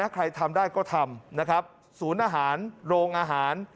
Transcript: ใครทำได้ก็ทำสูญอาหารโรงอาหาร